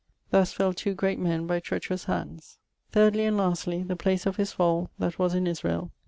Thus fell two great men by treacherous handes. 'Thirdly and lastly, the place of his fall, that was in Israel....